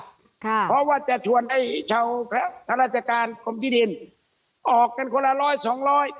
เพราะว่าจะชวนไอ้ชาวข้าราชการกรมที่ดินออกกันคนละร้อยสองร้อย